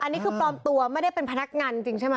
อันนี้คือปลอมตัวไม่ได้เป็นพนักงานจริงใช่ไหม